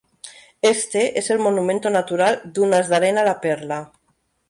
Este es el monumento natural "Dunas de arena la Perla".